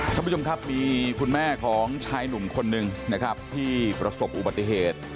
ท่านผู้ชมครับมีคุณแม่ของชายหนุ่มคนหนึ่งนะครับที่ประสบอุบัติเหตุ